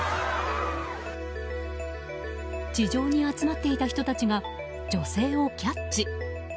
地上に集まっていた人たちが女性をキャッチ。